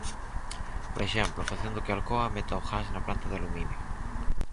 Por exemplo, facendo que Alcoa meta o gas na planta de aluminio.